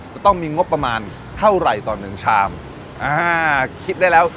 จะต้องมีงบประมาณเท่าไหร่ต่อหนึ่งชามอ่าคิดได้แล้ว